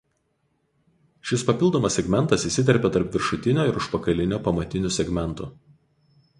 Šis papildomas segmentas įsiterpia tarp viršutinio ir užpakalinio pamatinių segmentų.